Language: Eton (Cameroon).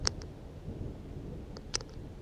Me ta ke osso.